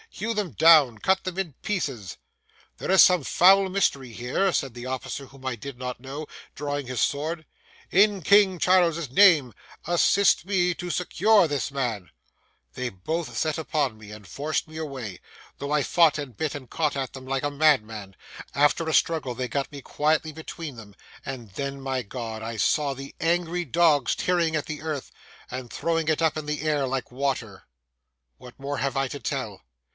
Hew them down, cut them in pieces.' 'There is some foul mystery here!' said the officer whom I did not know, drawing his sword. 'In King Charles's name, assist me to secure this man.' [Picture: Hunted down] They both set upon me and forced me away, though I fought and bit and caught at them like a madman. After a struggle, they got me quietly between them; and then, my God! I saw the angry dogs tearing at the earth and throwing it up into the air like water. What more have I to tell?